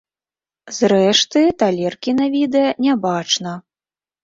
Зрэшты, талеркі на відэа не бачна.